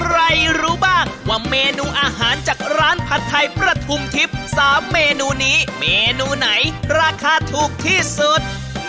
รู้บ้างว่าเมนูอาหารจากร้านผัดไทยประทุมทิพย์๓เมนูนี้เมนูไหนราคาถูกที่สุด